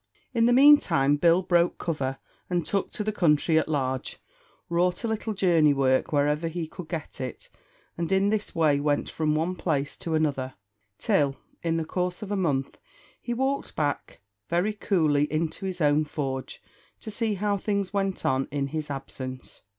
In the meantime, Bill broke cover, and took to the country at large; wrought a little journey work wherever he could get it, and in this way went from one place to another, till, in the course of a month, he walked back very coolly into his own forge, to see how things went on in his absence.